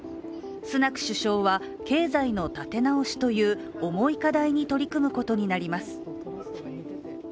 スナク首相は、経済の立て直しという重い課題に取り組むことになります。